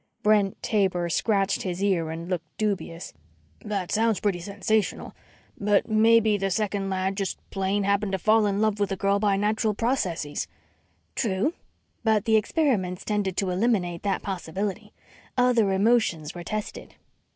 Brent Taber scratched his ear and looked dubious. "That sounds pretty sensational. But maybe the second lad just plain happened to fall in love with the girl by natural processes." "True, but the experiments tended to eliminate that possibility. Other emotions were tested.